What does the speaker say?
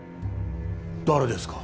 誰ですか？